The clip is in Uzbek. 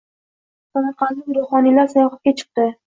Samarqandlik nuroniylar sayohatga chiqding